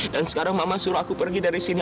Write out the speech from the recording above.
dan sekarang mama suruh aku pergi dari sini